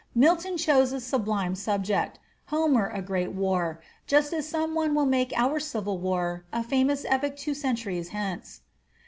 Milton chose a sublime subject, Homer a great war, just as some one will make our civil war a famous epic two centuries hence.